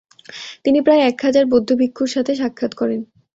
তিনি প্রায় এক হাজার বৌদ্ধ ভিক্ষুর সাথে সাক্ষাৎ করেন।